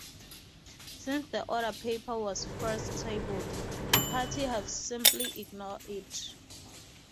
Since the order paper was first tabled, the party have simply ignored it.